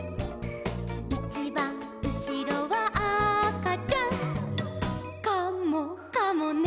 「いちばんうしろはあかちゃん」「カモかもね」